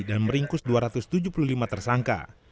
dan meringkus dua ratus tujuh puluh lima tersangka